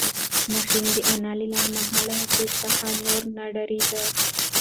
ماشوم د انا له لنډمهاله غوسې څخه نور نه ډارېده.